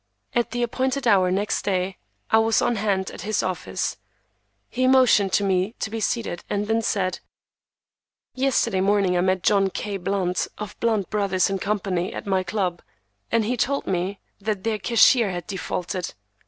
At the appointed hour the next day I was on hand at his office. He motioned to me to be seated and then said,— "Yesterday morning I met John K. Blunt, of Blunt Brothers & Company, at my club, and he told me that their cashier had defaulted.